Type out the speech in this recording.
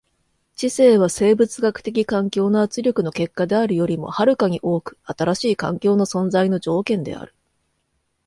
知性は生物学的環境の圧力の結果であるよりも遥かに多く新しい環境の存在の条件である。